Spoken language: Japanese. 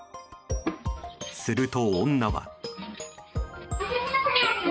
すると女は。